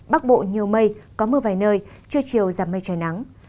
bắc bộ nhiều mây có mưa vài nơi trưa chiều giảm mây trời nắng